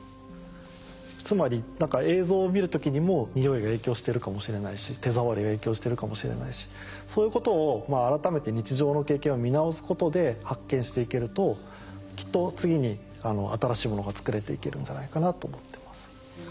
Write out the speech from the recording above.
つまり映像を見る時にも匂いが影響してるかもしれないし手触りが影響してるかもしれないしそういうことを改めて日常の経験を見直すことで発見していけるときっと次に新しいものが作れていけるんじゃないかなと思ってます。